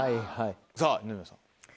さぁ二宮さん。